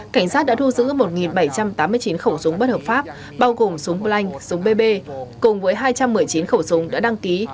cảnh sát đã thu giữ một bảy trăm tám mươi chín khẩu súng bất hợp pháp bao gồm súng blank súng bb cùng với hai trăm một mươi chín khẩu súng đã đăng ký